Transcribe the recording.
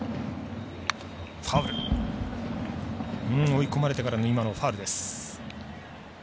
追い込まれてからもファウルです。